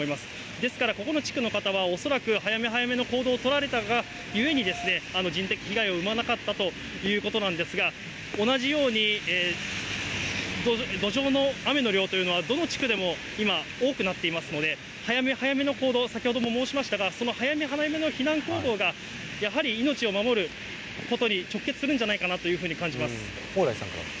ですからここの地区の方は、恐らく、速め早めの行動を取られたがゆえに人的被害を生まなかったということなんですが、同じように、土壌の雨の量というのは、どの地区でも今多くなっていますので、早め早めの行動を、先ほども申しましたが、その早め早めの避難行動がやはり命を守ることに直結するんじゃな蓬莱さん。